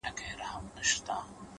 د سترگو تور مي د ايستو لائق دي;